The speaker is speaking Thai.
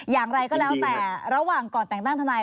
อย่างไรก็แล้วแต่ระหว่างก่อนแต่งตั้งทนาย